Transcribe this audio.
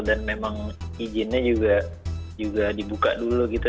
dan memang izinnya juga dibuka dulu gitu